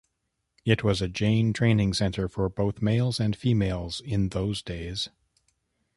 It was a Jain training centre for both males and females in those days.